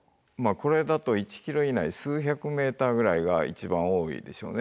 これだと１ｋｍ以内数百メーターぐらいが一番多いでしょうね。